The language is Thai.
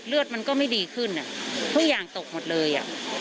เลือดมันก็ไม่ดีขึ้นทุกอย่างตกหมดเลยอ่ะ